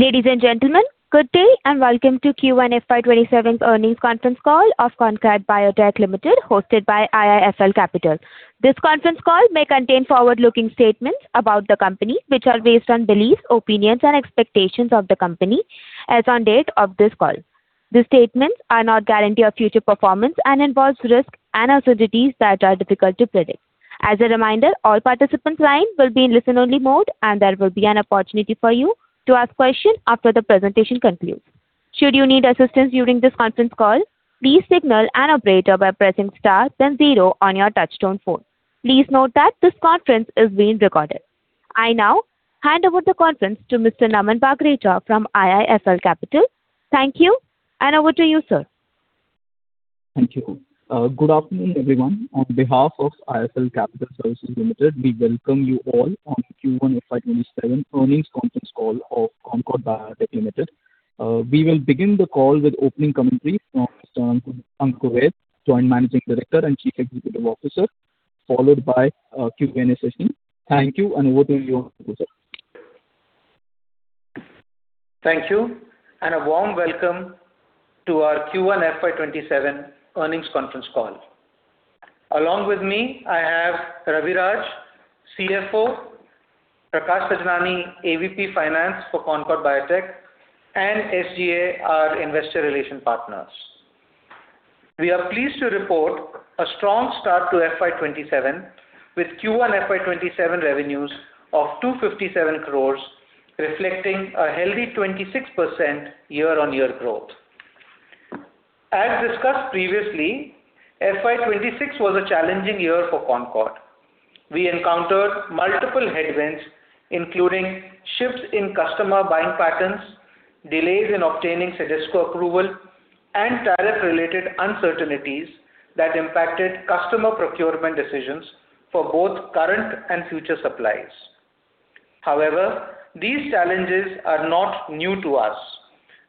Ladies and gentlemen, good day and welcome to Q1 FY 2027 earnings conference call of Concord Biotech Limited, hosted by IIFL Capital. This conference call may contain forward-looking statements about the company, which are based on beliefs, opinions, and expectations of the company as on date of this call. These statements are not guarantee of future performance and involves risks and uncertainties that are difficult to predict. As a reminder, all participants' lines will be in listen-only mode, and there will be an opportunity for you to ask questions after the presentation concludes. Should you need assistance during this conference call, please signal an operator by pressing star then zero on your touch-tone phone. Please note that this conference is being recorded. I now hand over the conference to Mr. Naman Bagrecha from IIFL Capital. Thank you and over to you, sir. Thank you. Good afternoon, everyone. On behalf of IIFL Capital Services Limited, we welcome you all on Q1 FY 2027 earnings conference call of Concord Biotech Limited. We will begin the call with opening commentary from Mr. Ankur Vaid, Joint Managing Director and Chief Executive Officer, followed by a Q&A session. Thank you, and over to you, Ankur. Thank you, and a warm welcome to our Q1 FY 2027 earnings conference call. Along with me, I have Raviraj, CFO, Prakash Sajnani, AVP Finance for Concord Biotech, and SGA, our investor relation partners. We are pleased to report a strong start to FY 2027 with Q1 FY 2027 revenues of 257 crore, reflecting a healthy 26% year-on-year growth. As discussed previously, FY 2026 was a challenging year for Concord. We encountered multiple headwinds, including shifts in customer buying patterns, delays in obtaining CDSCO approval, and tariff-related uncertainties that impacted customer procurement decisions for both current and future supplies. However, these challenges are not new to us.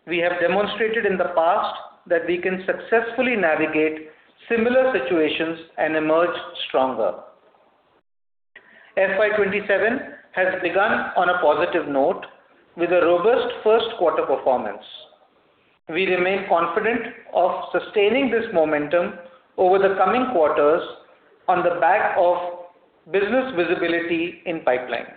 We have demonstrated in the past that we can successfully navigate similar situations and emerge stronger. FY 2027 has begun on a positive note with a robust first quarter performance. We remain confident of sustaining this momentum over the coming quarters on the back of business visibility in pipeline.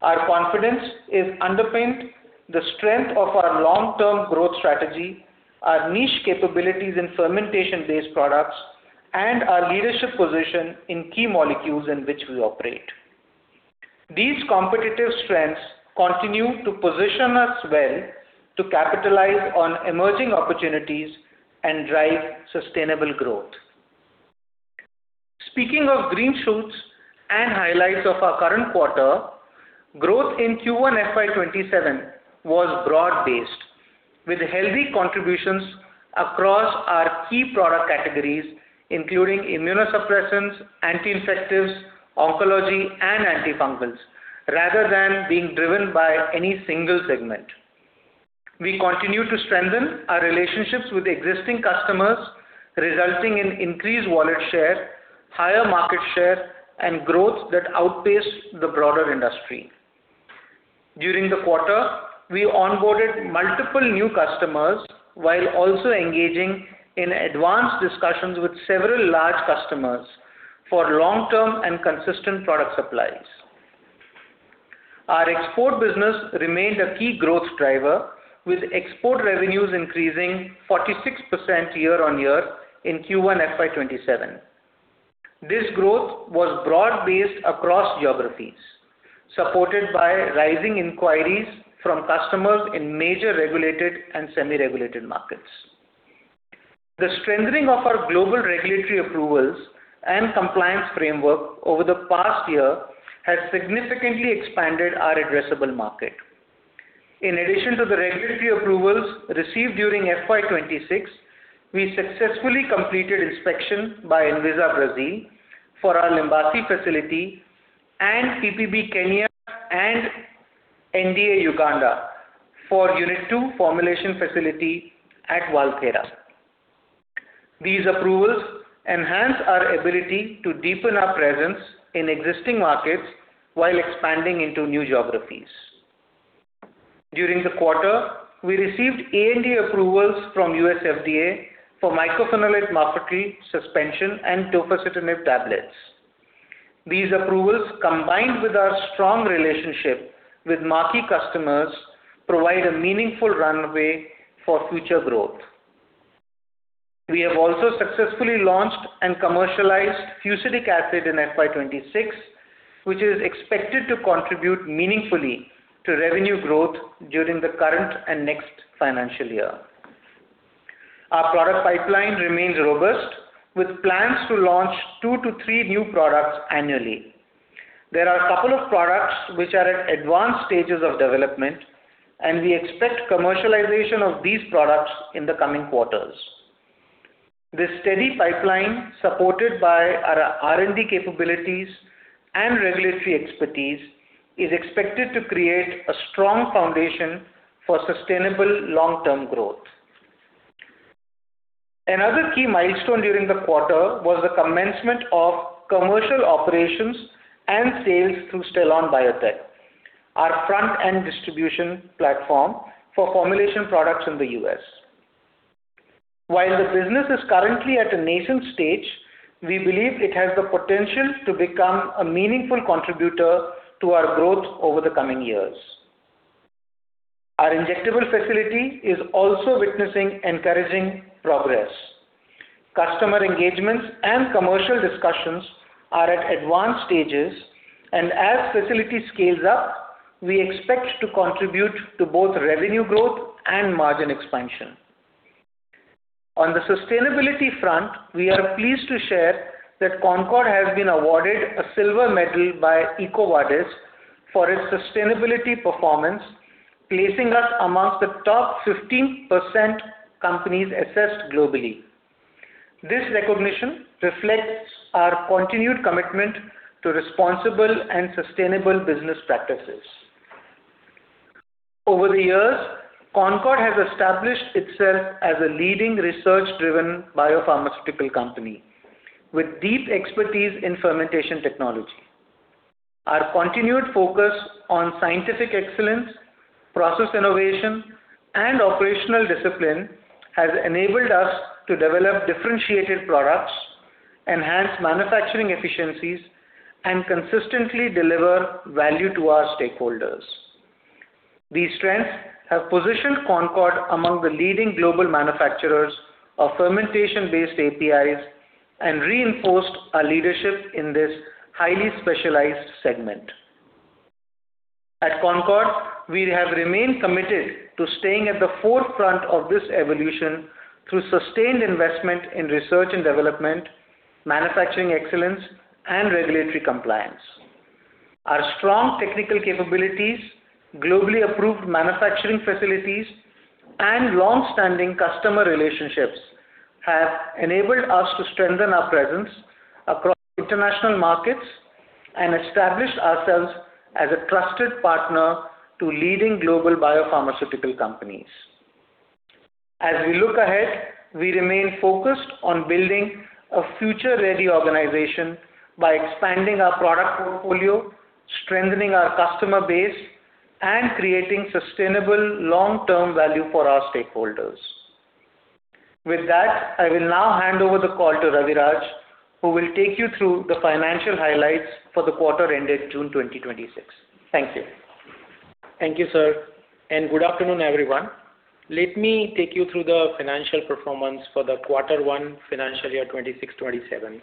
Our confidence is underpinned the strength of our long-term growth strategy, our niche capabilities in fermentation-based products, and our leadership position in key molecules in which we operate. These competitive strengths continue to position us well to capitalize on emerging opportunities and drive sustainable growth. Speaking of green shoots and highlights of our current quarter, growth in Q1 FY 2027 was broad-based, with healthy contributions across our key product categories, including immunosuppressants, anti-infectives, oncology, and antifungals, rather than being driven by any single segment. We continue to strengthen our relationships with existing customers, resulting in increased wallet share, higher market share, and growth that outpaced the broader industry. During the quarter, we onboarded multiple new customers while also engaging in advanced discussions with several large customers for long-term and consistent product supplies. Our export business remained a key growth driver, with export revenues increasing 46% year-on-year in Q1 FY 2027. This growth was broad-based across geographies, supported by rising inquiries from customers in major regulated and semi-regulated markets. The strengthening of our global regulatory approvals and compliance framework over the past year has significantly expanded our addressable market. In addition to the regulatory approvals received during FY 2026, we successfully completed inspection by Anvisa Brazil for our Limbasi facility and PPB Kenya and NDA Uganda for Unit 2 formulation facility at Valthera. These approvals enhance our ability to deepen our presence in existing markets while expanding into new geographies. During the quarter, we received ANDA approvals from U.S. FDA for mycophenolate mofetil suspension and tofacitinib tablets. These approvals, combined with our strong relationship with marquee customers, provide a meaningful runway for future growth. We have also successfully launched and commercialized fusidic acid in FY 2026, which is expected to contribute meaningfully to revenue growth during the current and next financial year. Our product pipeline remains robust, with plans to launch two to three new products annually. There are a couple of products which are at advanced stages of development, and we expect commercialization of these products in the coming quarters. This steady pipeline, supported by our R&D capabilities and regulatory expertise, is expected to create a strong foundation for sustainable long-term growth. Another key milestone during the quarter was the commencement of commercial operations and sales through Stellon Biotech, our front-end distribution platform for formulation products in the U.S. While the business is currently at a nascent stage, we believe it has the potential to become a meaningful contributor to our growth over the coming years. Our injectable facility is also witnessing encouraging progress. Customer engagements and commercial discussions are at advanced stages, and as facility scales up, we expect to contribute to both revenue growth and margin expansion. On the sustainability front, we are pleased to share that Concord has been awarded a silver medal by EcoVadis for its sustainability performance, placing us amongst the top 15% companies assessed globally. This recognition reflects our continued commitment to responsible and sustainable business practices. Over the years, Concord has established itself as a leading research-driven biopharmaceutical company with deep expertise in fermentation technology. Our continued focus on scientific excellence, process innovation, and operational discipline has enabled us to develop differentiated products, enhance manufacturing efficiencies, and consistently deliver value to our stakeholders. These strengths have positioned Concord among the leading global manufacturers of fermentation-based APIs and reinforced our leadership in this highly specialized segment. At Concord, we have remained committed to staying at the forefront of this evolution through sustained investment in research and development, manufacturing excellence, and regulatory compliance. Our strong technical capabilities, globally approved manufacturing facilities, and longstanding customer relationships have enabled us to strengthen our presence across international markets and established ourselves as a trusted partner to leading global biopharmaceutical companies. As we look ahead, we remain focused on building a future-ready organization by expanding our product portfolio, strengthening our customer base, and creating sustainable long-term value for our stakeholders. With that, I will now hand over the call to Raviraj, who will take you through the financial highlights for the quarter ended June 2026. Thank you. Thank you, sir, and good afternoon, everyone. Let me take you through the financial performance for the quarter one financial year 2026-2027.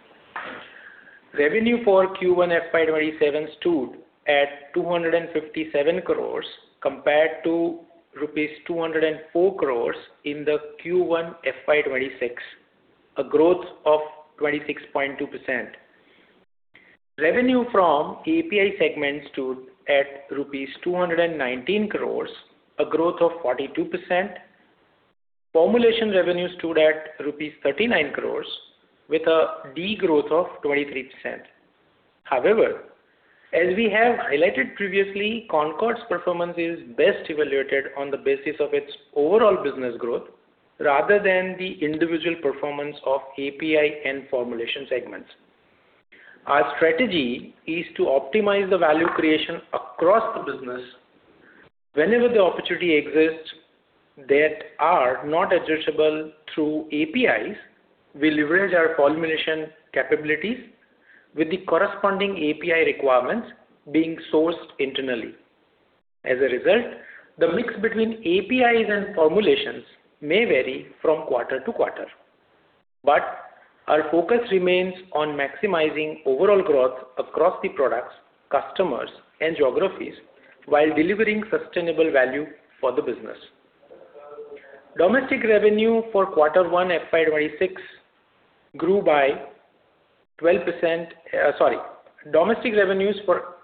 Revenue for Q1 FY 2027 stood at 257 crore compared to rupees 204 crore in Q1 FY 2026, a growth of 26.2%. Revenue from API segment stood at rupees 219 crore, a growth of 42%. Formulation revenue stood at rupees 39 crore with a degrowth of 23%. However, as we have highlighted previously, Concord's performance is best evaluated on the basis of its overall business growth rather than the individual performance of API and formulation segments. Our strategy is to optimize the value creation across the business. Whenever the opportunity exists that are not addressable through APIs, we leverage our formulation capabilities with the corresponding API requirements being sourced internally. As a result, the mix between APIs and formulations may vary from quarter to quarter, but our focus remains on maximizing overall growth across the products, customers, and geographies while delivering sustainable value for the business. Domestic revenue for Q1 FY 2026 grew by 12%. Sorry, domestic revenues for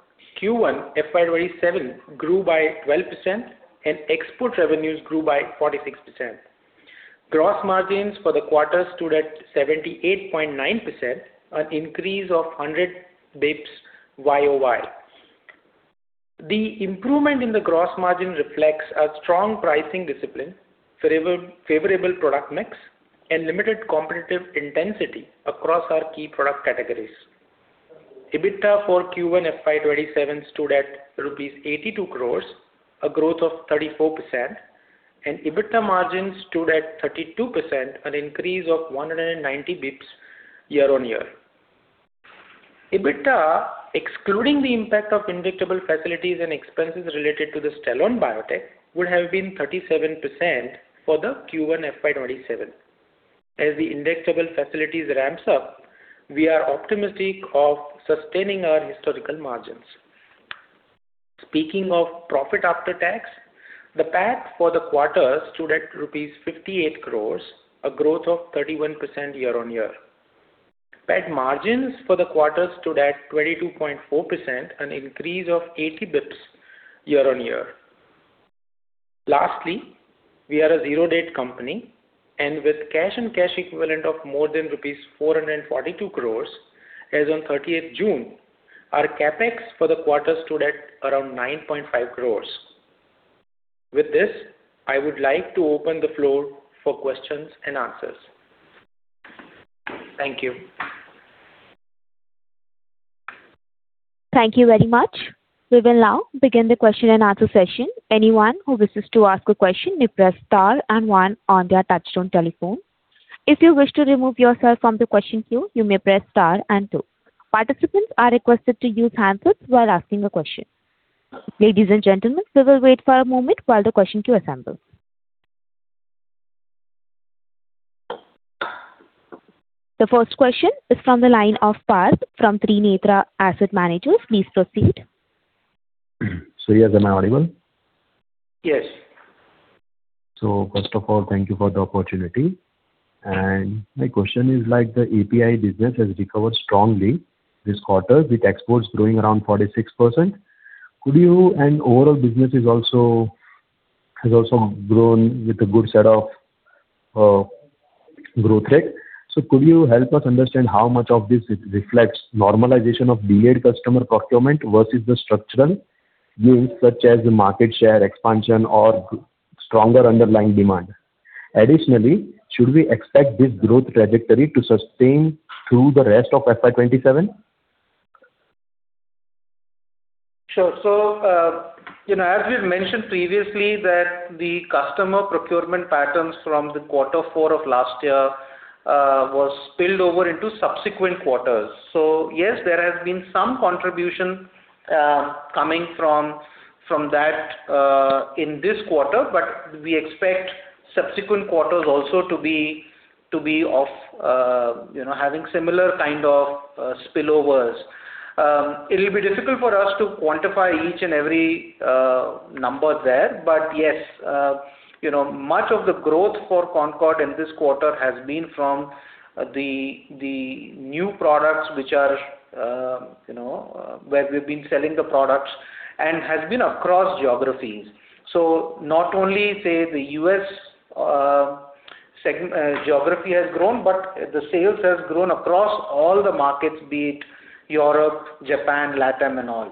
Q1 FY 2027 grew by 12%, and export revenues grew by 46%. Gross margins for the quarter stood at 78.9%, an increase of 100 basis points YoY. The improvement in the gross margin reflects a strong pricing discipline, favorable product mix, and limited competitive intensity across our key product categories. EBITDA for Q1 FY 2027 stood at INR 82 crore, a growth of 34%, and EBITDA margin stood at 32%, an increase of 190 basis points year-on-year. EBITDA, excluding the impact of injectable facilities and expenses related to Stellon Biotech, would have been 37% for Q1 FY 2027. As the injectable facilities ramps up, we are optimistic of sustaining our historical margins. Speaking of profit after tax, the PAT for the quarter stood at rupees 58 crore, a growth of 31% year-on-year. PAT margins for the quarter stood at 22.4%, an increase of 80 basis points year-on-year. Lastly, we are a zero-debt company, and with cash and cash equivalent of more than rupees 442 crore as on 30th June. Our CapEx for the quarter stood at around 9.5 crore. With this, I would like to open the floor for questions and answers. Thank you. Thank you very much. We will now begin the question-and-answer session. Anyone who wishes to ask a question may press star and one on their touch-tone telephone. If you wish to remove yourself from the question queue, you may press star and two. Participants are requested to use handsets while asking a question. Ladies and gentlemen, we will wait for a moment while the question queue assembles. The first question is from the line of Parth from Trinetra Asset Managers. Please proceed. Sorry, am I audible? Yes. First of all, thank you for the opportunity. My question is, like, the API business has recovered strongly this quarter with exports growing around 46%. Overall business has also grown with a good set of growth rate. Could you help us understand how much of this reflects normalization of delayed customer procurement versus the structural gains such as market share expansion or stronger underlying demand? Additionally, should we expect this growth trajectory to sustain through the rest of FY 2027? Sure. As we've mentioned previously that the customer procurement patterns from the quarter four of last year was spilled over into subsequent quarters. So, yes, there has been some contribution coming from that in this quarter, but we expect subsequent quarters also to be having similar kind of spillovers. It'll be difficult for us to quantify each and every number there, but yes, much of the growth for Concord in this quarter has been from the new products where we've been selling the products and has been across geographies. So, not only, say, the U.S. geography has grown, but the sales has grown across all the markets, be it Europe, Japan, LATAM, and all.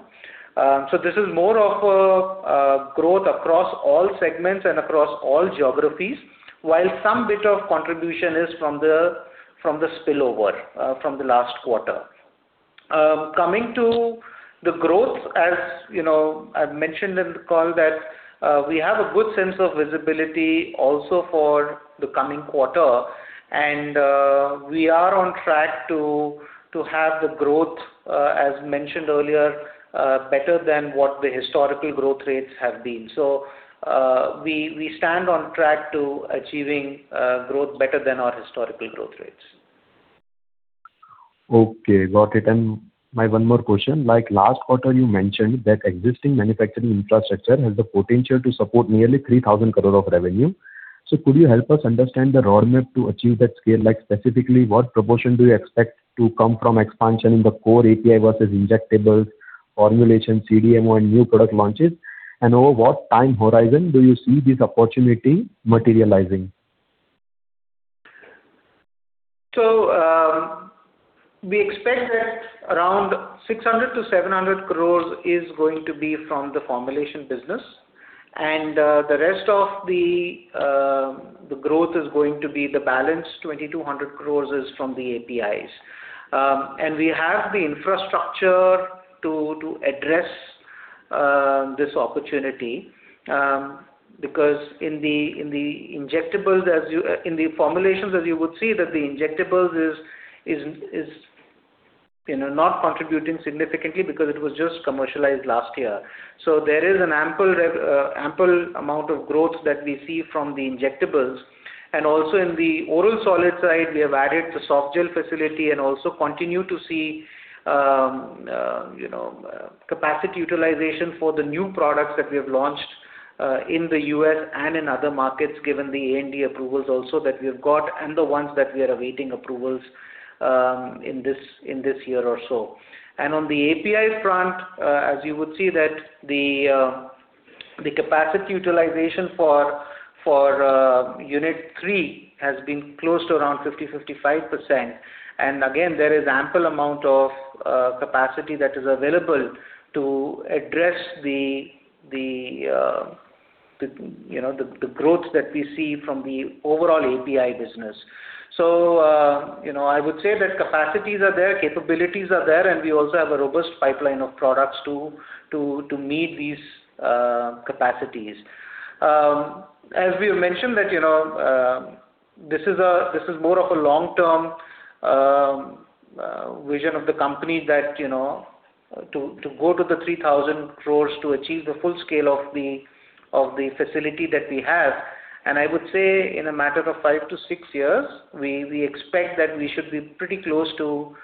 This is more of a growth across all segments and across all geographies, while some bit of contribution is from the spillover from the last quarter. Coming to the growth, as I've mentioned in the call that we have a good sense of visibility also for the coming quarter, and we are on track to have the growth, as mentioned earlier, better than what the historical growth rates have been. We stand on track to achieving growth better than our historical growth rates. Okay, got it. My one more question. Last quarter, you mentioned that existing manufacturing infrastructure has the potential to support nearly 3,000 crore of revenue. Could you help us understand the roadmap to achieve that scale? Specifically, what proportion do you expect to come from expansion in the core API versus injectables, formulation, CDMO, and new product launches? And over what time horizon do you see this opportunity materializing? We expect that around 600 crore-700 crore is going to be from the formulation business, and the rest of the growth is going to be the balance, 2,200 crore is from the APIs. We have the infrastructure to address this opportunity, because in the formulations, as you would see, that the injectables is not contributing significantly because it was just commercialized last year. So, there is an ample amount of growth that we see from the injectables. Also, in the oral solid side, we have added the soft gel facility and also continue to see capacity utilization for the new products that we have launched in the U.S. and in other markets, given the ANDA approvals also that we've got and the ones that we are awaiting approvals in this year or so. On the API front, as you would see that the capacity utilization for Unit 3 has been close to around 50%-55%. Again, there is ample amount of capacity that is available to address the growth that we see from the overall API business. I would say that capacities are there, capabilities are there, and we also have a robust pipeline of products to meet these capacities. As we have mentioned, this is more of a long-term vision of the company to go to the 3,000 crore to achieve the full scale of the facility that we have, and I would say in a matter of five to six years, we expect that we should be pretty close to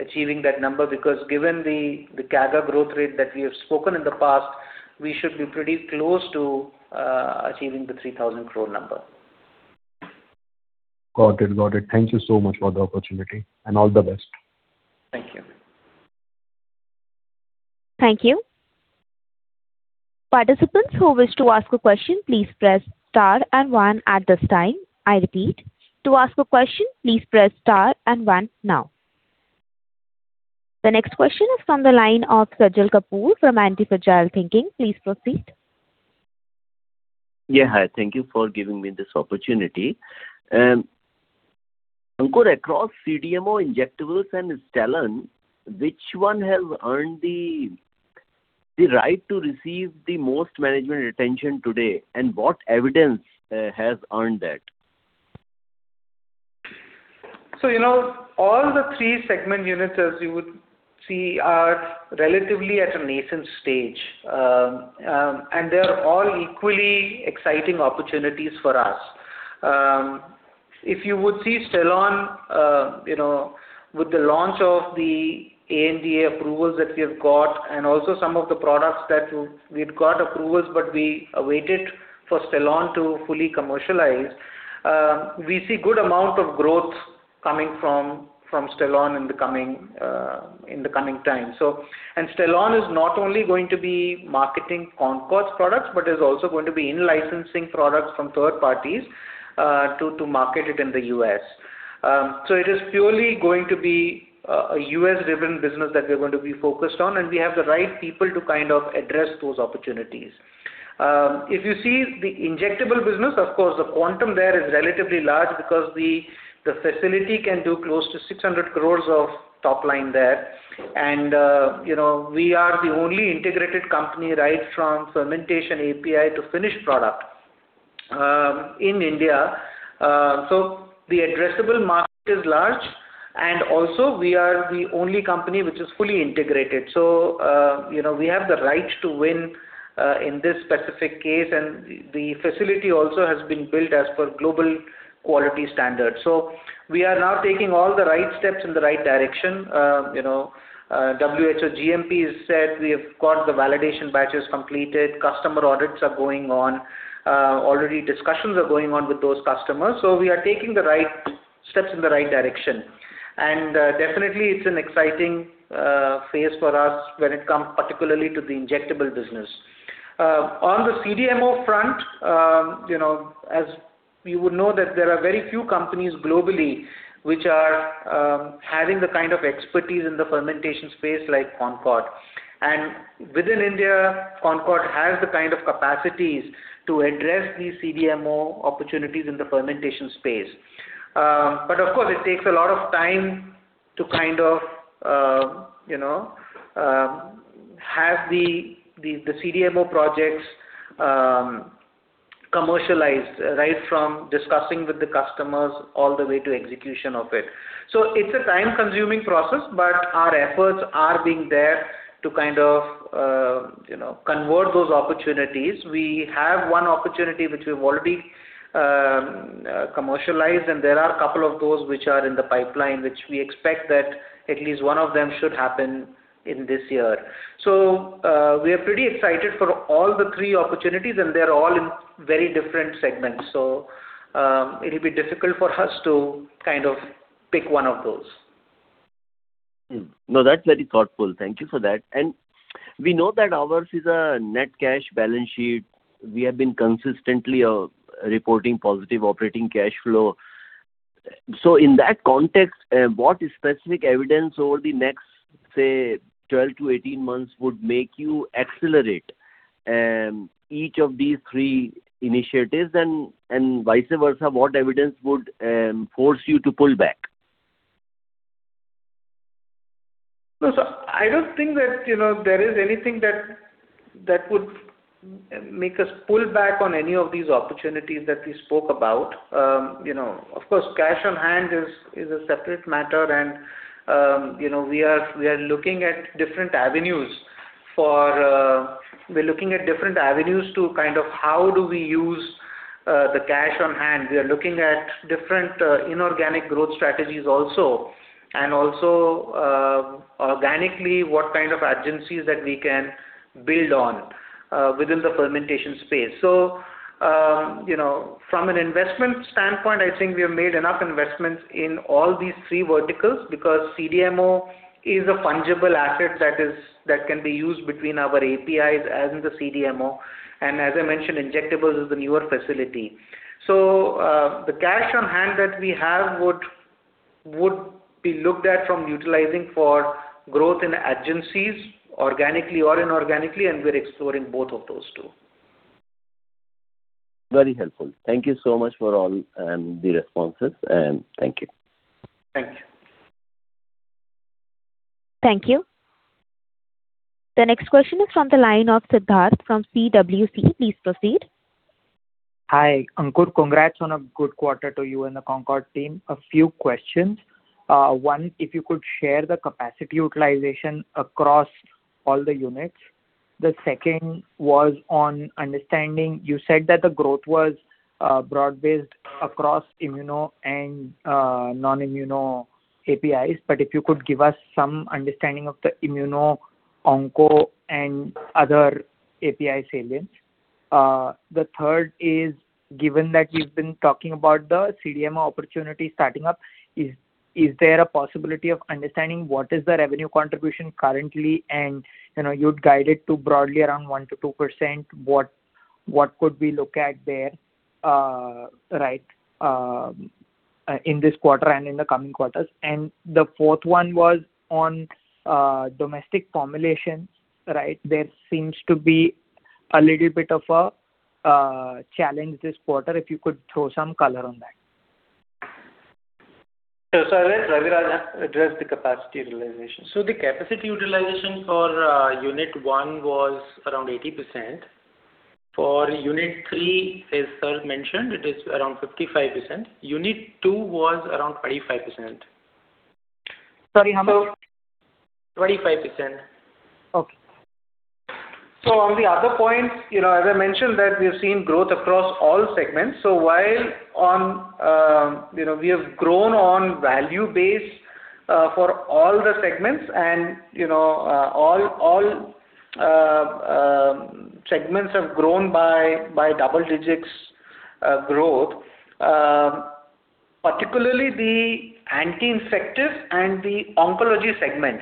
achieving that number because given the CAGR growth rate that we have spoken in the past, we should be pretty close to achieving the 3,000 crore number. Got it. Thank you so much for the opportunity, and all the best. Thank you. Thank you. Participants who wish to ask a question, please press star and one at this time. I repeat, to ask a question, please press star and one now. The next question is from the line of Sajal Kapoor from Antifragile Thinking. Please proceed. Yeah. Hi. Thank you for giving me this opportunity. Ankur, across CDMO, injectables, and Stellon, which one has earned the right to receive the most management attention today, and what evidence has earned that? All the three segment units, as you would see, are relatively at a nascent stage, and they're all equally exciting opportunities for us. If you would see Stellon, with the launch of the ANDA approvals that we have got and also some of the products that we've got approvals, but we awaited for Stellon to fully commercialize, we see good amount of growth coming from Stellon in the coming time. And Stellon is not only going to be marketing Concord's products, but is also going to be in-licensing products from third parties to market it in the U.S. It is purely going to be a U.S.-driven business that we're going to be focused on, and we have the right people to address those opportunities. If you see the injectable business, of course, the quantum there is relatively large because the facility can do close to 600 crore of top line there. We are the only integrated company, right from fermentation API to finished product in India. So, the addressable market is large, and also, we are the only company which is fully integrated. So, we have the right to win in this specific case, and the facility also has been built as per global quality standards. We are now taking all the right steps in the right direction. WHO GMP is set. We have got the validation batches completed. Customer audits are going on. Already, discussions are going on with those customers. We are taking the right steps in the right direction, and definitely it's an exciting phase for us when it comes particularly to the injectable business. On the CDMO front, as you would know, that there are very few companies globally which are having the kind of expertise in the fermentation space like Concord. Within India, Concord has the kind of capacities to address these CDMO opportunities in the fermentation space. But of course, it takes a lot of time to have the CDMO projects commercialized right from discussing with the customers all the way to execution of it. So, it's a time-consuming process, but our efforts are being there to convert those opportunities. We have one opportunity which we've already commercialized, and there are a couple of those which are in the pipeline, which we expect that at least one of them should happen in this year. We are pretty excited for all the three opportunities, and they're all in very different segments. It'll be difficult for us to pick one of those. That's very thoughtful. Thank you for that. We know that ours is a net cash balance sheet. We have been consistently reporting positive operating cash flow. In that context, what specific evidence over the next, say, 12-18 months would make you accelerate each of these three initiatives, and vice versa, what evidence would force you to pull back? I don't think that there is anything that would make us pull back on any of these opportunities that we spoke about. Of course, cash on hand is a separate matter and we are looking at different avenues to kind of how do we use the cash on hand. We are looking at different inorganic growth strategies also. Also, organically, what kind of adjacencies that we can build on within the fermentation space. From an investment standpoint, I think we have made enough investments in all these three verticals because CDMO is a fungible asset that can be used between our APIs as in the CDMO. As I mentioned, injectables is the newer facility. The cash on hand that we have would be looked at from utilizing for growth in adjacencies, organically or inorganically, and we're exploring both of those two. Very helpful. Thank you so much for all the responses. Thank you. Thank you. Thank you. The next question is from the line of Siddharth from CWC. Please proceed. Hi. Ankur, congrats on a good quarter to you and the Concord team. A few questions. One, if you could share the capacity utilization across all the units. The second was on understanding. You said that the growth was broad-based across immuno and non-immuno APIs, but if you could give us some understanding of the immuno, onco, and other API salience. The third is, given that you've been talking about the CDMO opportunity starting up, is there a possibility of understanding what is the revenue contribution currently and you'd guide it to broadly around 1%-2%, what could we look at there in this quarter and in the coming quarters? The fourth one was on domestic formulations. There seems to be a little bit of a challenge this quarter, if you could throw some color on that. I'll let Raviraj address the capacity utilization. The capacity utilization for Unit 1 was around 80%. For Unit 3, as sir mentioned, it is around 55%. Unit 2 was around 25%. Sorry, how much? 25%. Okay. On the other points, as I mentioned that we have seen growth across all segments. While we have grown on value base for all the segments and all segments have grown by double-digits growth, particularly the anti-infectives and the oncology segment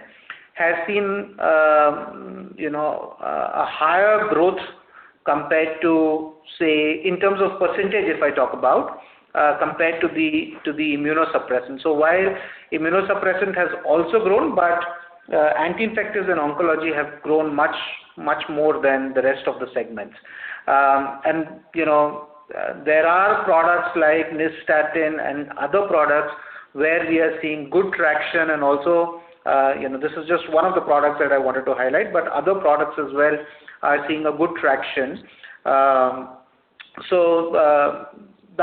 has seen a higher growth compared to, say, in terms of percentage, if I talk about, compared to the immunosuppressant. While immunosuppressant has also grown, but anti-infectives and oncology have grown much more than the rest of the segments. There are products like nystatin and other products where we are seeing good traction and also, this is just one of the products that I wanted to highlight, but other products as well are seeing a good traction. That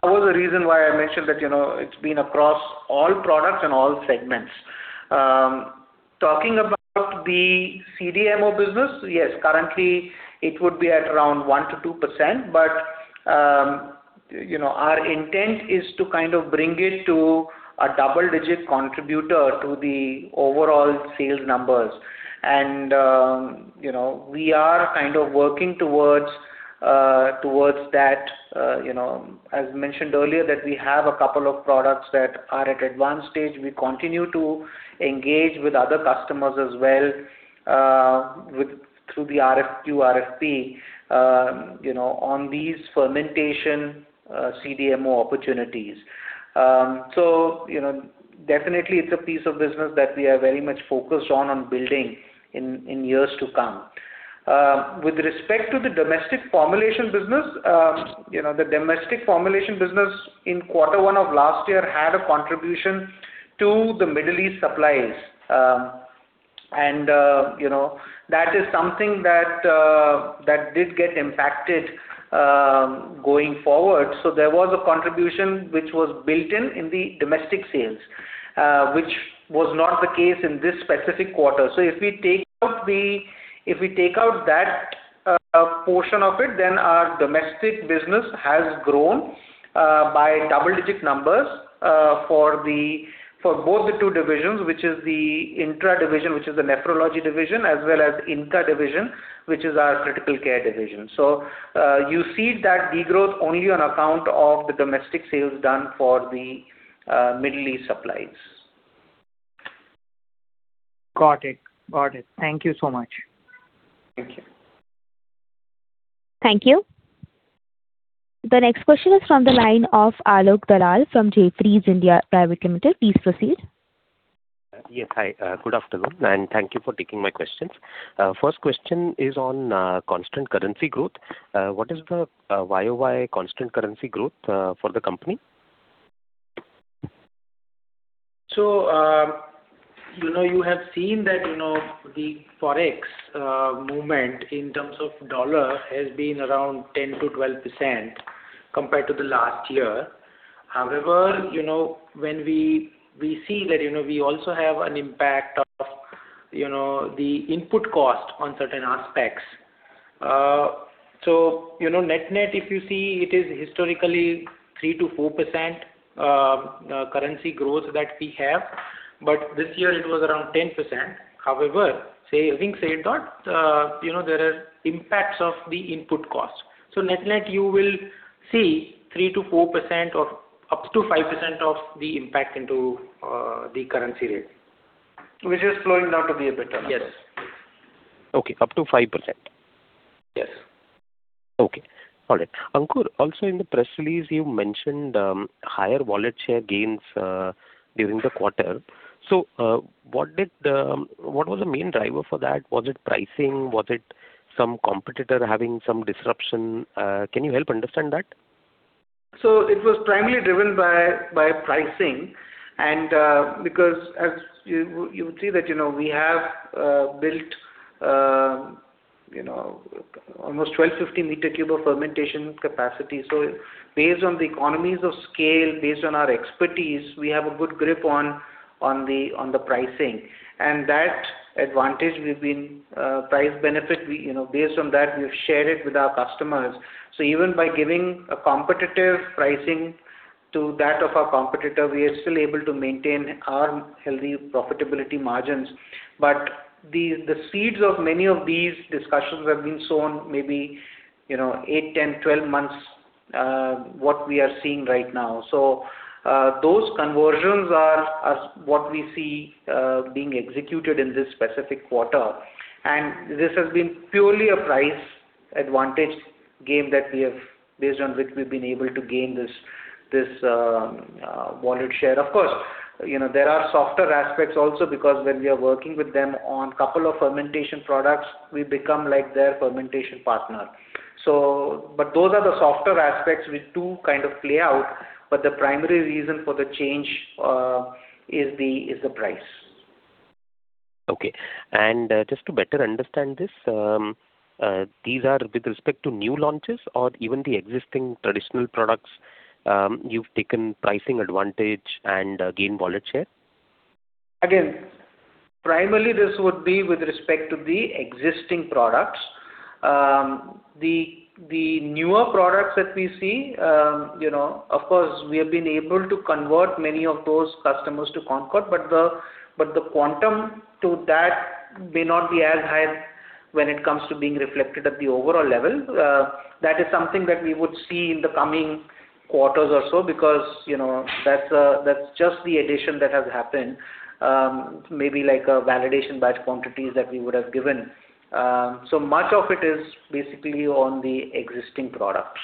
was the reason why I mentioned that it's been across all products and all segments. Talking about the CDMO business, yes, currently it would be at around 1%-2%, but our intent is to bring it to a double-digit contributor to the overall sales numbers, and we are working towards that. As mentioned earlier, that we have a couple of products that are at advanced stage. We continue to engage with other customers as well through the RFQ, RFP on these fermentation CDMO opportunities. Definitely, it's a piece of business that we are very much focused on building in years to come. With respect to the domestic formulation business, the domestic formulation business in quarter one of last year had a contribution to the Middle East supplies, and that is something that did get impacted going forward. There was a contribution which was built in the domestic sales, which was not the case in this specific quarter. If we take out that portion of it, then our domestic business has grown by double-digit numbers for both the two divisions, which is the INTRA division, which is the nephrology division, as well as INCA division, which is our critical care division. You see that de-growth only on account of the domestic sales done for the Middle East supplies. Got it. Thank you so much. Thank you. Thank you. The next question is from the line of Alok Dalal from Jefferies India Private Limited. Please proceed. Yes, hi. Good afternoon, and thank you for taking my questions. First question is on constant currency growth. What is the YoY constant currency growth for the company? You have seen that the Forex movement in terms of dollar has been around 10%-12% compared to the last year. However, when we see that we also have an impact of the input cost on certain aspects. Net-net, if you see, it is historically 3%-4% currency growth that we have. But this year, it was around 10%. However, having said that, there are impacts of the input cost. Net-net, you will see 3%-4% or up to 5% of the impact into the currency rate. Which is flowing down to the EBITDA. Yes. Okay. Up to 5%? Yes. Okay. All right. Ankur, also in the press release, you mentioned higher wallet share gains during the quarter. What was the main driver for that? Was it pricing? Was it some competitor having some disruption? Can you help understand that? It was primarily driven by pricing and because you would see that we have built almost 1,250-m cube of fermentation capacity. Based on the economies of scale, based on our expertise, we have a good grip on the pricing. And that advantage, price benefit, based on that, we've shared it with our customers. Even by giving a competitive pricing to that of our competitor, we are still able to maintain our healthy profitability margins. But the seeds of many of these discussions have been sown maybe eight, 10, 12 months what we are seeing right now. So, those conversions are what we see being executed in this specific quarter, and this has been purely a price advantage game based on which we've been able to gain this wallet share. Of course, there are softer aspects also because when we are working with them on a couple of fermentation products, we become their fermentation partner. Those are the softer aspects which do kind of play out, but the primary reason for the change is the price. Okay. Just to better understand this, these are with respect to new launches or even the existing traditional products you've taken pricing advantage and gained wallet share? Primarily, this would be with respect to the existing products. The newer products that we see, of course, we have been able to convert many of those customers to Concord, but the quantum to that may not be as high when it comes to being reflected at the overall level. That is something that we would see in the coming quarters or so because that's just the addition that has happened, maybe like a validation batch quantities that we would have given. So, much of it is basically on the existing products.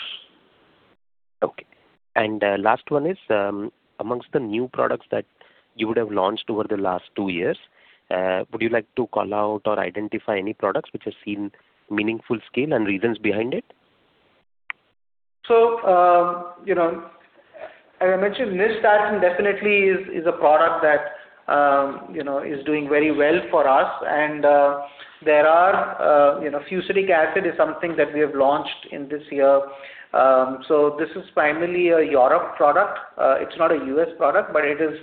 Okay. Last one is, amongst the new products that you would have launched over the last two years, would you like to call out or identify any products which have seen meaningful scale and reasons behind it? As I mentioned, nystatin, definitely, is a product that is doing very well for us. Fusidic acid is something that we have launched in this year. So, this is primarily a Europe product. It's not a U.S. product, but it is,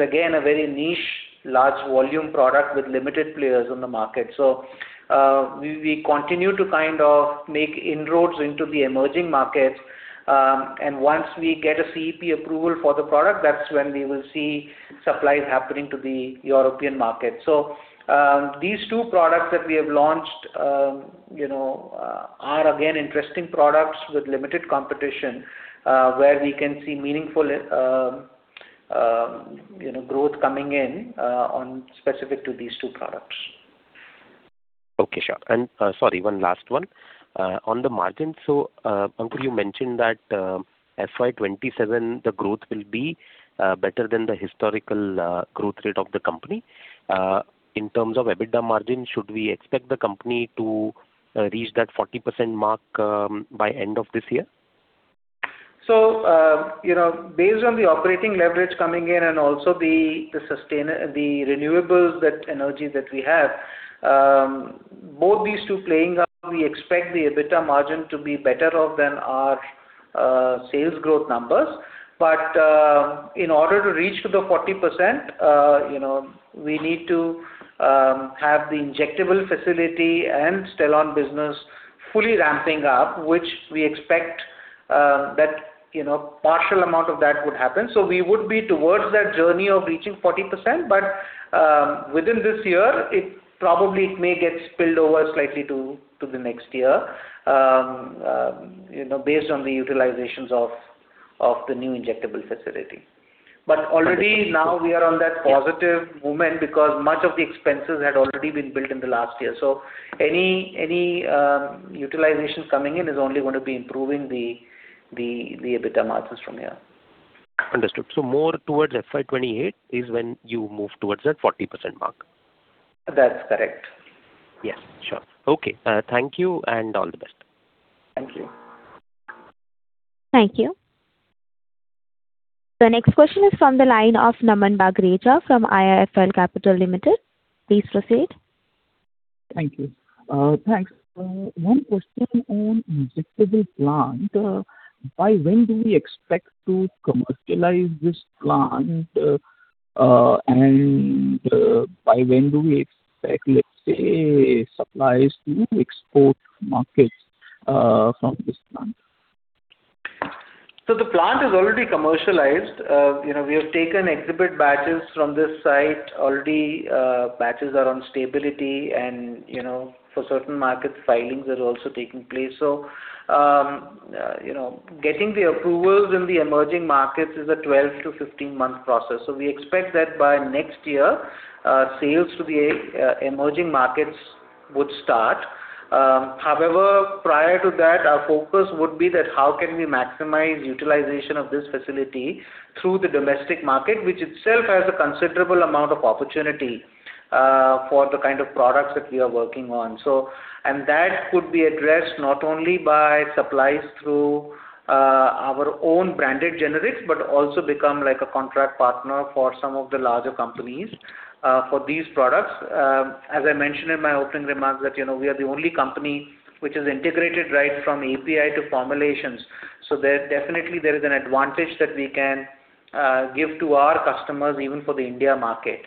again, a very niche, large volume product with limited players on the market. We continue to make inroads into the emerging markets, and once we get a CEP approval for the product, that's when we will see supplies happening to the European market. These two products that we have launched are again interesting products with limited competition, where we can see meaningful growth coming in on specific to these two products. Okay, sure. Sorry, one last one. On the margin, Ankur, you mentioned that FY 2027, the growth will be better than the historical growth rate of the company. In terms of EBITDA margin, should we expect the company to reach that 40% mark by end of this year? Based on the operating leverage coming in and also the renewables, that energy that we have, both these two playing out, we expect the EBITDA margin to be better off than our sales growth numbers. But in order to reach to the 40%, we need to have the injectable facility and Stellon business fully ramping up, which we expect that partial amount of that would happen. We would be towards that journey of reaching 40%, but within this year, probably it may get spilled over slightly to the next year based on the utilizations of the new injectable facility. But already, now, we are on that positive moment because much of the expenses had already been built in the last year. So, any utilization coming in is only going to be improving the EBITDA margins from here. Understood. So, more towards FY 2028 is when you move towards that 40% mark? That's correct. Yeah, sure. Okay, thank you, and all the best. Thank you. Thank you. The next question is from the line of Naman Bagrecha from IIFL Capital Limited. Please proceed. Thank you. Thanks. One question on injectable plant. By when do we expect to commercialize this plant, and by when do we expect, let's say, supplies to export markets from this plant? The plant is already commercialized. We have taken exhibit batches from this site already. Batches are on stability and for certain markets, filings are also taking place. Getting the approvals in the emerging markets is a 12-15-month process, so we expect that by next year, sales to the emerging markets would start. However, prior to that, our focus would be that how can we maximize utilization of this facility through the domestic market, which itself has a considerable amount of opportunity for the kind of products that we are working on. That could be addressed not only by supplies through our own branded generics, but also become like a contract partner for some of the larger companies for these products. As I mentioned in my opening remarks that we are the only company which is integrated right from API to formulations. So, definitely, there is an advantage that we can give to our customers, even for the India market.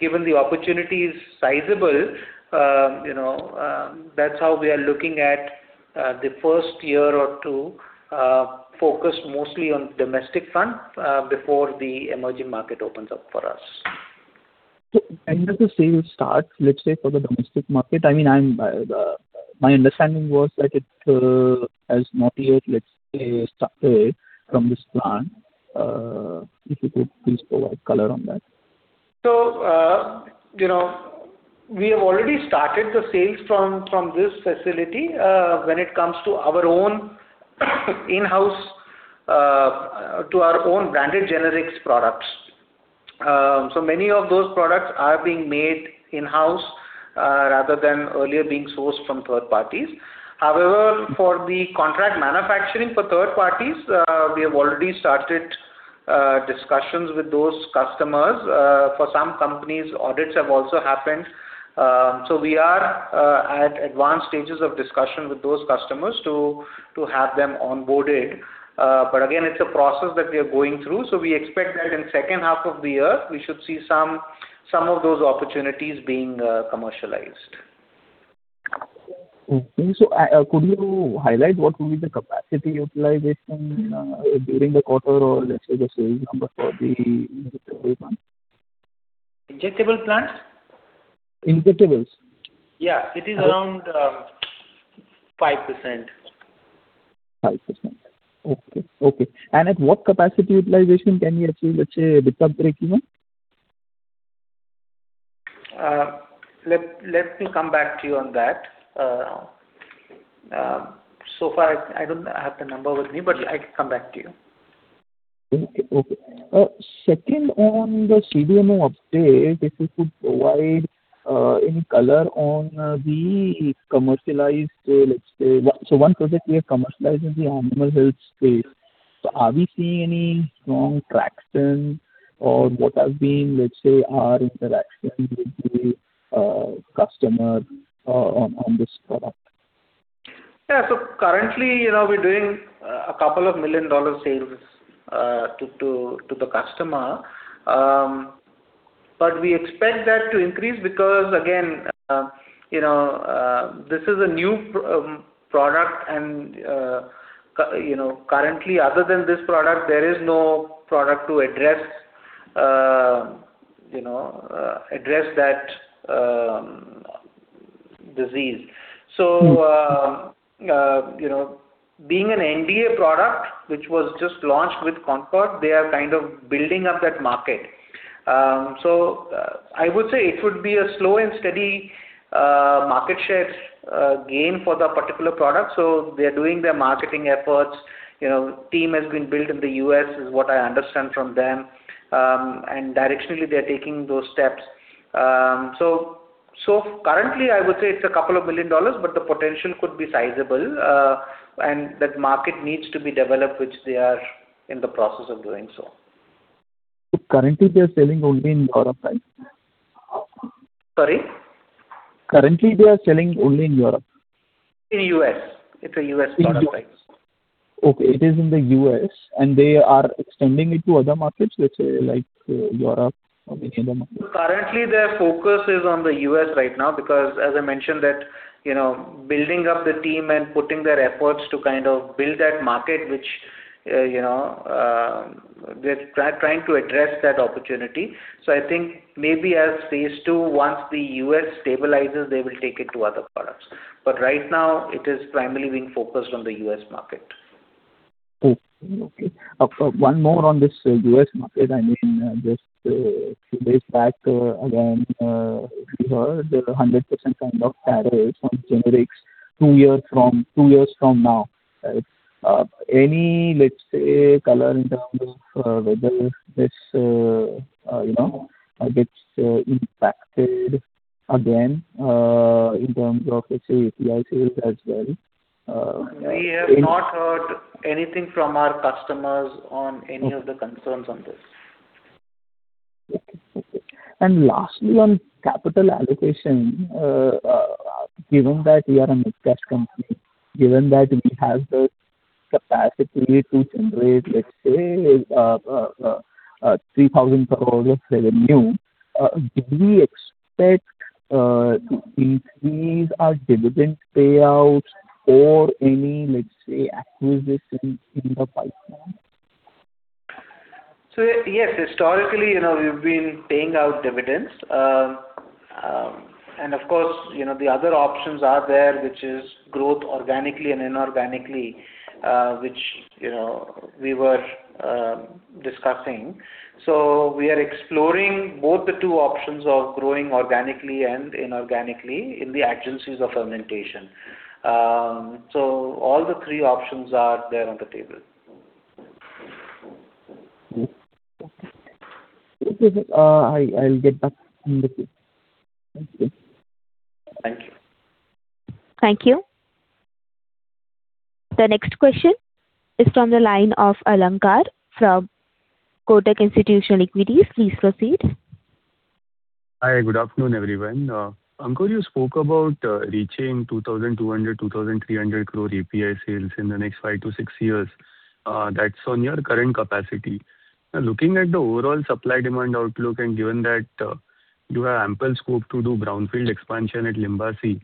Given the opportunity is sizable, that's how we are looking at the first year or two, focused mostly on domestic front, before the emerging market opens up for us. When does the sale start, let's say for the domestic market? My understanding was that it has not yet started from this plant. If you could please provide color on that. We have already started the sales from this facility when it comes to our own in-house, to our own branded generics products. Many of those products are being made in-house, rather than earlier being sourced from third parties. However, for the contract manufacturing for third parties, we have already started discussions with those customers. For some companies, audits have also happened. We are at advanced stages of discussion with those customers to have them onboarded. Again, it's a process that we are going through, so we expect that in second half of the year, we should see some of those opportunities being commercialized. Okay. Could you highlight what will be the capacity utilization during the quarter or let's say the sales number for the month? Injectable plant? Injectables. Yeah. It is around 5%. 5%. Okay. At what capacity utilization can we achieve, let's say, the club breakeven? Let me come back to you on that. So far, I don't have the number with me, but I can come back to you. Okay. Second, on the CDMO update, if you could provide any color on the commercialized, let's say, so one project we have commercialized is the animal health space. Are we seeing any strong traction or what are being, let's say, our interaction with the customer on this product? Yeah. Currently, we're doing a couple of million-dollar sales to the customer. But we expect that to increase because, again, this is a new product and currently, other than this product, there is no product to address that disease. So, being an NDA product, which was just launched with Concord, they are kind of building up that market. I would say it would be a slow and steady market share gain for that particular product. They're doing their marketing efforts, team has been built in the U.S., is what I understand from them. Directionally, they're taking those steps. Currently, I would say it's a couple of million dollars, but the potential could be sizable. That market needs to be developed, which they are in the process of doing so. Currently, they're selling only in Europe, right? Sorry? Currently, they are selling only in Europe. In U.S. It's a U.S. product, right. Okay. It is in the U.S., and they are extending it to other markets, let's say like Europe or any other market? Currently, their focus is on the U.S. right now because as I mentioned that, building up the team and putting their efforts to kind of build that market, which they're trying to address that opportunity. I think, maybe as phase two, once the U.S. stabilizes, they will take it to other products. But right now, it is primarily being focused on the U.S. market. Okay. One more on this U.S. market. I mentioned just a few days back, again, if you heard, there's 100% kind of tariffs on generics two years from now, right? Any, let's say, color in terms of whether this gets impacted again, in terms of, let's say, API sales as well? We have not heard anything from our customers on any of the concerns on this. Okay. Lastly, on capital allocation, given that we are an cash company, given that we have the capacity to generate, let's say 3,000 crore of revenue, do we expect to increase our dividend payout or any, let's say, acquisition in the pipeline? Yes, historically, we've been paying out dividends. Of course, the other options are there, which is growth organically and inorganically, which we were discussing. We are exploring both the two options of growing organically and inorganically in the adjacencies of fermentation. All the three options are there on the table. Okay. I'll get back on the queue. Thank you. Thank you. Thank you. The next question is from the line of Alankar from Kotak Institutional Equities. Please proceed. Hi, good afternoon, everyone. Ankur, you spoke about reaching 2,200 crore, 2,300 crore API sales in the next five to six years. That's on your current capacity. Looking at the overall supply-demand outlook, and given that you have ample scope to do brownfield expansion at Limbasi,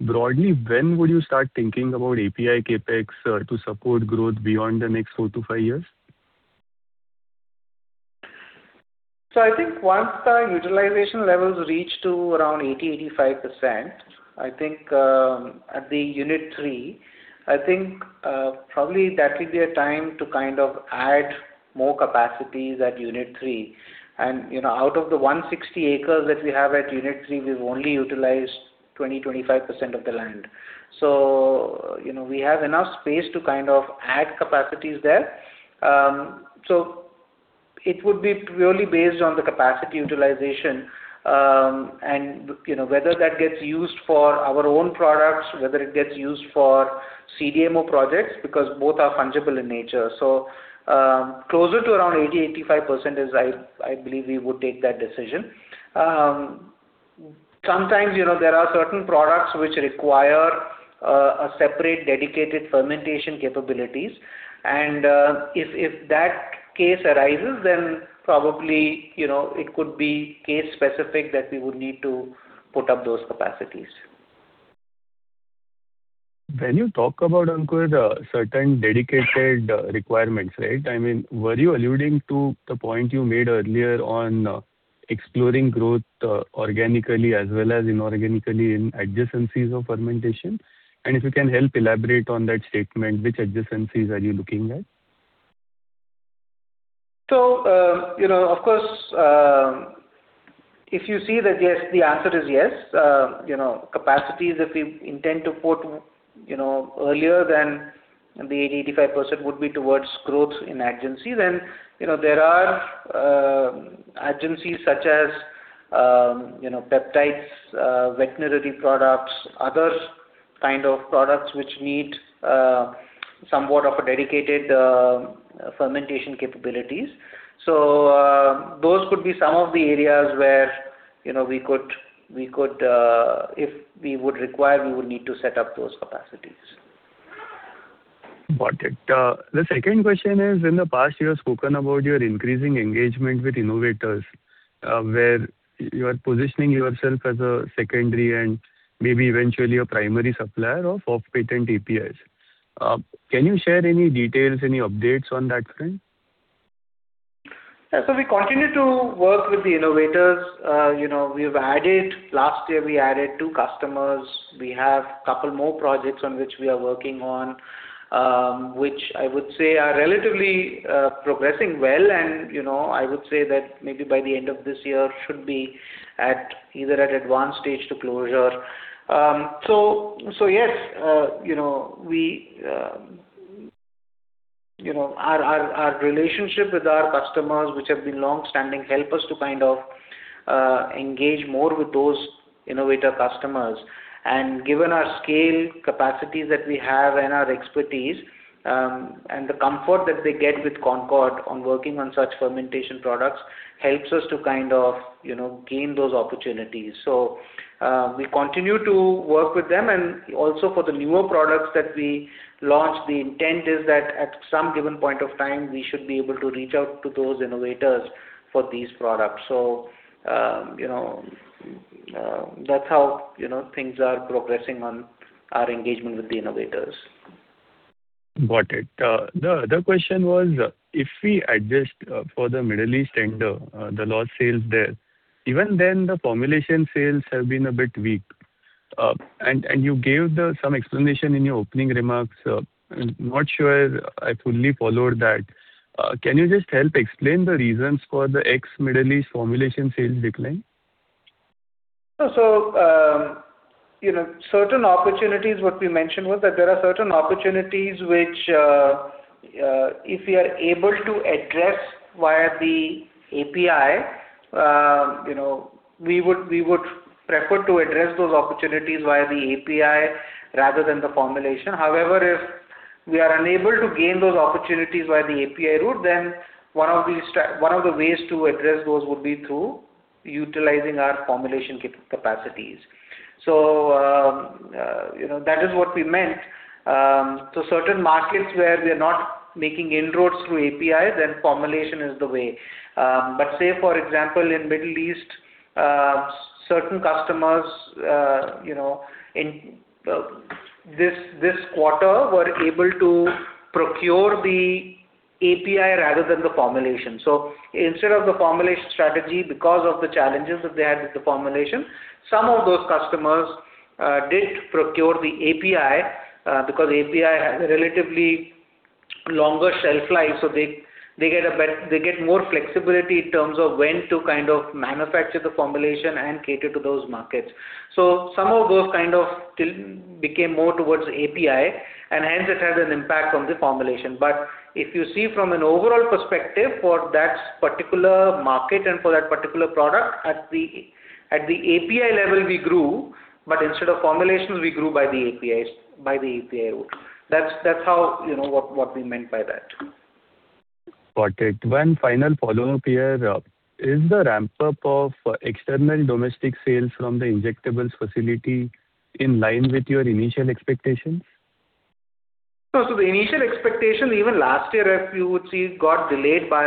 broadly, when would you start thinking about API CapEx to support growth beyond the next four to five years? I think once the utilization levels reach to around 80%, 85%, I think at the Unit 3, I think, probably, that will be a time to add more capacities at Unit 3. Out of the 160 acres that we have at Unit 3, we've only utilized 20%, 25% of the land, so we have enough space to add capacities there. It would be purely based on the capacity utilization, and whether that gets used for our own products, whether it gets used for CDMO projects, because both are fungible in nature. So, closer to around 80%, 85% is I believe we would take that decision. Sometimes, there are certain products which require a separate dedicated fermentation capabilities, and if that case arises, then probably, it could be case specific that we would need to put up those capacities. When you talk about, Ankur, certain dedicated requirements, right? Were you alluding to the point you made earlier on exploring growth organically as well as inorganically in adjacencies of fermentation? If you can help elaborate on that statement, which adjacencies are you looking at? Of course, if you see that yes, the answer is yes. Capacities, if we intend to put earlier than the 80%, 85% would be towards growth in adjacencies, then, there are adjacencies such as peptides, veterinary products, other kind of products which need somewhat of a dedicated fermentation capabilities. Those could be some of the areas where, if we would require, we would need to set up those capacities. Got it. The second question is, in the past year, you've spoken about your increasing engagement with innovators, where you are positioning yourself as a secondary and maybe eventually a primary supplier of off-patent APIs. Can you share any details, any updates on that front? Yeah. We continue to work with the innovators. Last year, we added two customers. We have couple more projects on which we are working on, which I would say are relatively progressing well. I would say that maybe by the end of this year should be either at advanced stage to closure. Yes, our relationship with our customers which have been longstanding help us to engage more with those innovator customers. Given our scale capacities that we have and our expertise, and the comfort that they get with Concord on working on such fermentation products, helps us to gain those opportunities. We continue to work with them and also for the newer products that we launch, the intent is that at some given point of time, we should be able to reach out to those innovators for these products. That's how things are progressing on our engagement with the innovators. Got it. The other question was, if we adjust for the Middle East tender, the low sales there, even then the formulation sales have been a bit weak. You gave some explanation in your opening remarks. I'm not sure I fully followed that. Can you just help explain the reasons for the ex-Middle East formulation sales decline? Certain opportunities, what we mentioned was that there are certain opportunities which, if we are able to address via the API, we would prefer to address those opportunities via the API rather than the formulation. However, if we are unable to gain those opportunities via the API route, then one of the ways to address those would be through utilizing our formulation capacities. That is what we meant. So, certain markets where we are not making inroads through API, then formulation is the way. But say, for example, in Middle East, certain customers this quarter were able to procure the API rather than the formulation, so instead of the formulation strategy because of the challenges that they had with the formulation, some of those customers did procure the API, because API has a relatively longer shelf life, so they get more flexibility in terms of when to manufacture the formulation and cater to those markets. Some of those became more towards API, and hence, it had an impact on the formulation. But if you see from an overall perspective for that particular market and for that particular product, at the API level, we grew, but instead of formulations, we grew by the API route. That's what we meant by that. Got it. One final follow-up here. Is the ramp-up of external domestic sales from the injectables facility in line with your initial expectations? The initial expectation, even last year, if you would see, got delayed by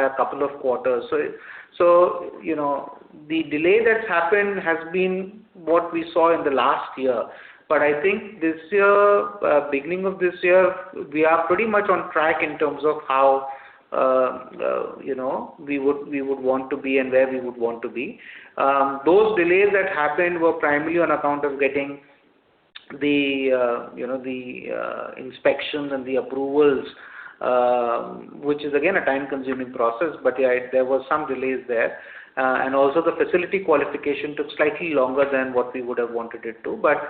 a couple of quarters. The delay that's happened has been what we saw in the last year. But I think beginning of this year, we are pretty much on track in terms of how we would want to be and where we would want to be. Those delays that happened were primarily on account of getting the inspections and the approvals, which is again, a time-consuming process. There were some delays there. Also, the facility qualification took slightly longer than what we would have wanted it to. But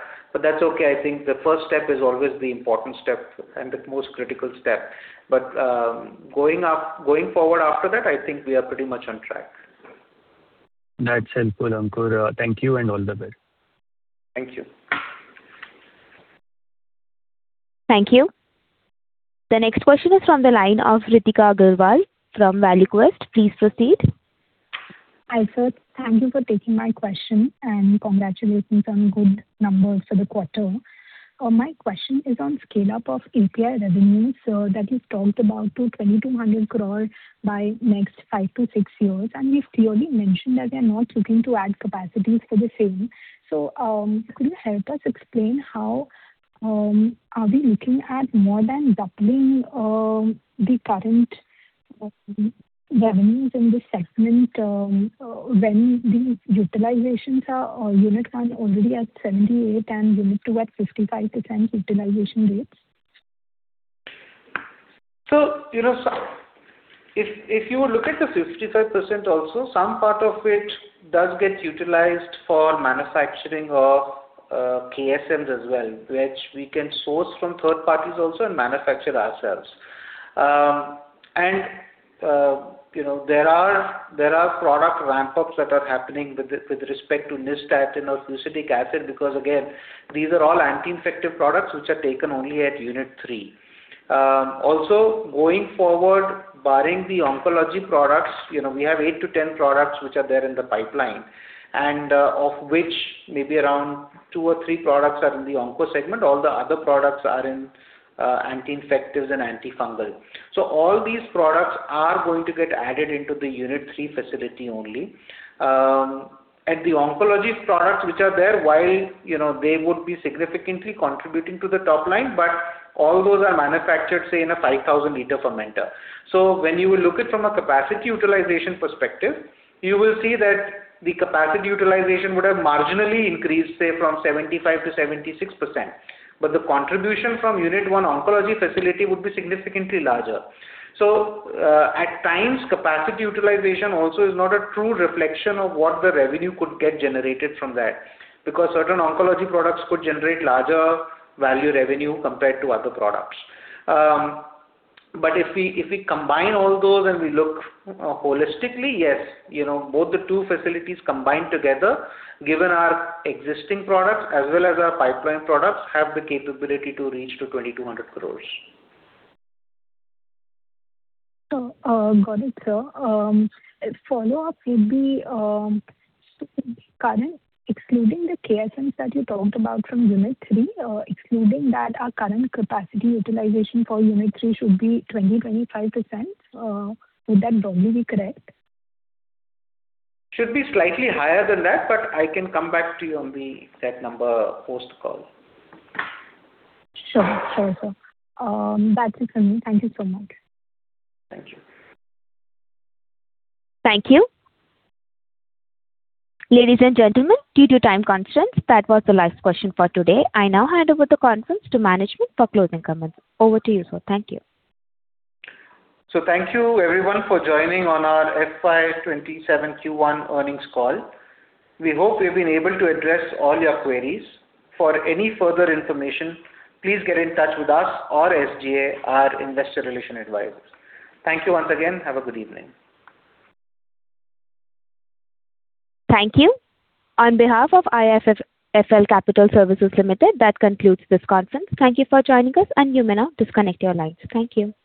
that's okay. I think the first step is always the important step and the most critical step. Going forward after that, I think we are pretty much on track. That's helpful, Ankur. Thank you, all the best. Thank you. Thank you. The next question is from the line of Ritika Agarwal from ValueQuest. Please proceed. Hi, sir. Thank you for taking my question, and congratulations on good numbers for the quarter. My question is on scale-up of API revenues, so, that you've talked about to 2,200 crore by next five to six years, and you've clearly mentioned that you're not looking to add capacities for the same. Could you help us explain how, are we looking at more than doubling the current revenues in this segment when these utilizations are Unit 1 already at 78% and Unit 2 at 55% utilization rates? If you look at the 55% also, some part of it does get utilized for manufacturing of KSMs as well, which we can source from third parties also and manufacture ourselves. There are product ramp-ups that are happening with respect to nystatin or fusidic acid because again, these are all anti-infective products, which are taken only at Unit 3. Also, going forward, barring the oncology products, we have eight to 10 products which are there in the pipeline, and of which, maybe around two or three products are in the onco segment. All the other products are in anti-infectives and antifungal. All these products are going to get added into the Unit 3 facility only. The oncology products which are there, while they would be significantly contributing to the top line, but all those are manufactured, say, in a 5,000-L fermenter. When you look it from a capacity utilization perspective, you will see that the capacity utilization would have marginally increased, say from 75% to 76%. But the contribution from Unit 1 oncology facility would be significantly larger. At times, capacity utilization also is not a true reflection of what the revenue could get generated from that, because certain oncology products could generate larger value revenue compared to other products. If we combine all those and we look holistically, yes. Both the two facilities combined together, given our existing products as well as our pipeline products, have the capability to reach to 2,200 crore. Got it, sir. A follow-up would be, excluding the KSM that you talked about from Unit 3, excluding that our current capacity utilization for Unit 3 should be 20%-25%. Would that broadly be correct? Should be slightly higher than that, but I can come back to you on the exact number post-call. Sure, sir. That's it from me. Thank you so much. Thank you. Thank you. Ladies and gentlemen, due to time constraints, that was the last question for today. I now hand over the conference to management for closing comments. Over to you, sir. Thank you. Thank you everyone for joining on our FY 2027 Q1 earnings call. We hope we've been able to address all your queries. For any further information, please get in touch with us or SGA, our investor relation advisors. Thank you once again. Have a good evening. Thank you. On behalf of IIFL Capital Services Limited, that concludes this conference. Thank you for joining us and you may now disconnect your lines. Thank you. Thank you.